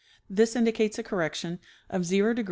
This indicates a correction of — 0°